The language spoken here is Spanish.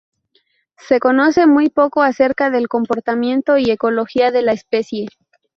Se conoce muy poco acerca del comportamiento y ecología de la especie.